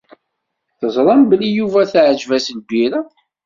Teẓram belli Yuba teɛǧeb-as lbira.